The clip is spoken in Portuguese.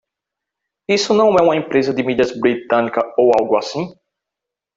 Isso não é uma empresa de mídia britânica ou algo assim?